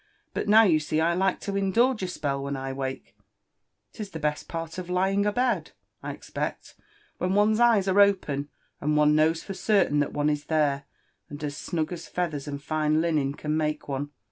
But now, you see, I like to indulge a spell when I wake :— 'tis the best part of lying a bed, I expect, when one's eyes are open, and one knows for certain that one is there, and as snug as feathers and fine linen can make one.